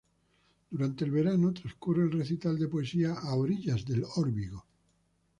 Durante el verano transcurre el recital de poesía: "A orillas del Órbigo".